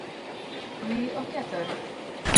Wiyi okethore